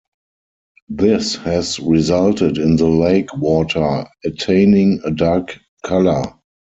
This has resulted in the lake water attaining a dark colour.